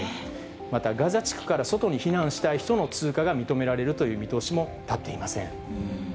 また、ガザ地区から外に避難したい人の通過が認められるという見通しも立っていません。